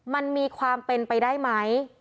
มันมีความเป็นไปได้ไหม